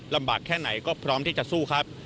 แค่ไหนก็พร้อมที่จะสู้ครับ